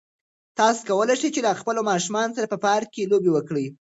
تاسو کولای شئ چې له خپلو ماشومانو سره په پارک کې لوبې وکړئ.